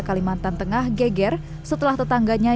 kalimantan tengah geger setelah tetangganya